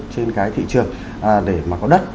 trên cái thị trường để mà có đất